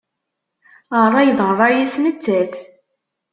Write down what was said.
Ṛṛay d ṛṛay-is nettat.